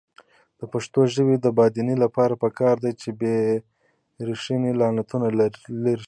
د پښتو ژبې د بډاینې لپاره پکار ده چې بېریښې لغتونه لرې شي.